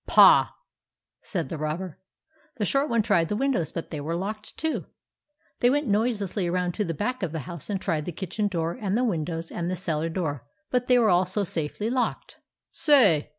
" Pah 1 " said the robber. The short one tried the windows, but they were locked too. Then they went noise lessly around to the back of the house and tried the kitchen door and the windows, and the cellar door; but they were also safely locked. " Say